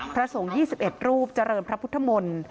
พระสงฆ์๒๑รูปเจริญพระพุทธมนตร์